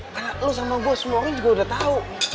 karena lo sama gue semua orang ini juga udah tahu